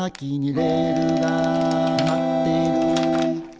「レールがーまってるー」